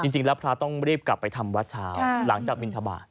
จริงแล้วพระต้องรีบกลับไปทำวัดเช้าหลังจากบินทบาท